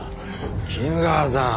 衣川さん